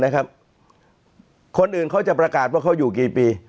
คนอื่นเขาจะประกาศว่าเขาอยู่กี่ปี